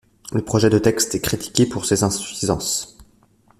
Le projet de texte est critiqué pour ses insuffisances.